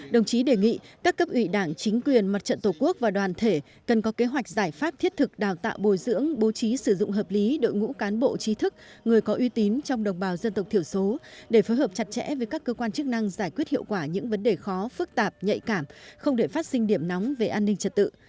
đồng chí đề nghị các cấp ủy đảng chính quyền mặt trận tổ quốc và đoàn thể cần có kế hoạch giải pháp thiết thực đào tạo bồi dưỡng bố trí sử dụng hợp lý đội ngũ cán bộ trí thức người có uy tín trong đồng bào dân tộc thiểu số để phối hợp chặt chẽ với các cơ quan chức năng giải quyết hiệu quả những vấn đề khó phức tạp nhạy cảm không để phát sinh điểm nóng về an ninh trật tự